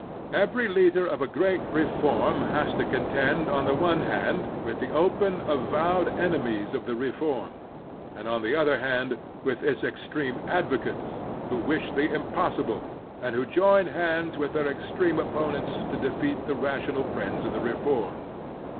Every leader of a great reform has to contend, on the one hand, with the open, avowed enemies of the reform, and, on the other hand, with its extreme advocates, who wish the impossible, and who join hands with their extreme opponents to defeat the rational friends of the reform.